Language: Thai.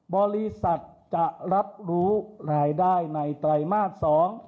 บริษัทจะรับรู้รายได้ในไตรมาสสอง